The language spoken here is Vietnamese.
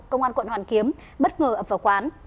công an quận hoàn kiếm bất ngờ ập vào quán